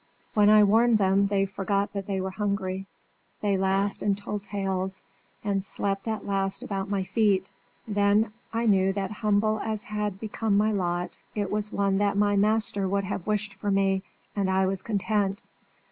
When I warmed them they forgot that they were hungry; they laughed and told tales, and slept at last about my feet. Then I knew that humble as had become my lot it was one that my master would have wished for me, and I was content.